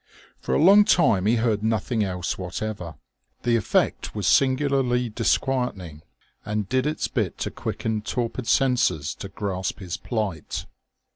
For a long time he heard nothing else whatever. The effect was singularly disquieting and did its bit to quicken torpid senses to grasp his plight.